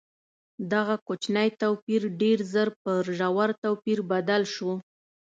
دغه کوچنی توپیر ډېر ژر پر ژور توپیر بدل شو.